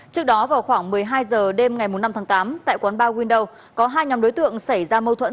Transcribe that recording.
trước đó vào khoảng một mươi hai h đêm ngày năm tháng tám tại quán bar window có hai nhóm đối tượng xảy ra mâu thuẫn